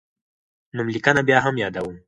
نوملیکنه بیا هم یادوم.